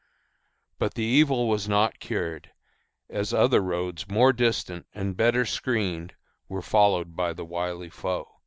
But the evil was not cured, as other roads more distant and better screened were followed by the wily foe.